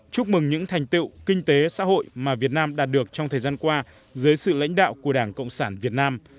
chúc mừng những thành tựu kinh tế xã hội mà việt nam đạt được trong thời gian qua dưới sự lãnh đạo của đảng cộng sản việt nam